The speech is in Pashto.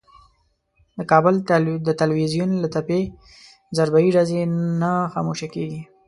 د کابل د ټلوېزیون له تپې ضربهیي ډزې نه خاموشه کېږي.